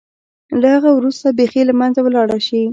له هغه وروسته بېخي له منځه ولاړه شي.